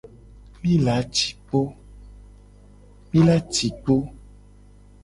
Mi la ci kpo.